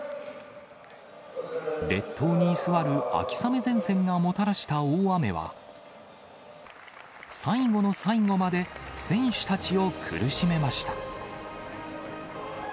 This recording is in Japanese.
列島に居座る秋雨前線がもたらした大雨は、最後の最後まで選手たちを苦しめました。